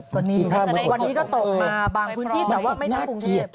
วันนี้ก็ตกมาบางพื้นที่แต่ว่าไม่ได้ไปกรุงเทพฯ